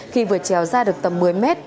khi vừa treo ra được tầm một mươi mét